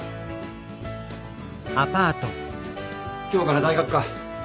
今日から大学か。